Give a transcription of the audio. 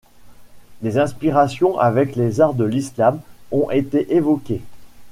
Des inspirations avec les arts de l'islam ont été évoquées.